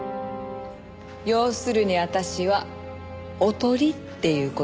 要するに私はおとりっていう事ね。